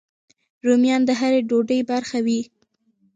رومیان د هر ډوډۍ برخه وي